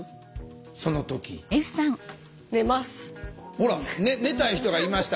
ほら寝たい人がいました。